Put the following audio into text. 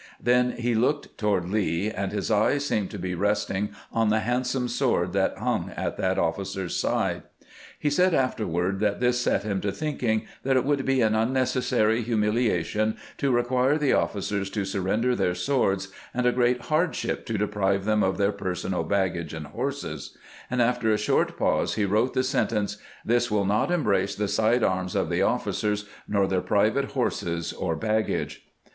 Then he looked toward Lee, and his eyes seemed to be resting on the handsome sword that hung at that officer's side. He said afterward that this set him to thinking that it would be an iinnecessary humiliation to require the officers to surrender their swords, and a great hardship to deprive them of their personal baggage and horses ; and after a short pause he wrote the sentence :" This will not embrace the aide arms of the officers, nor their private horses or baggage."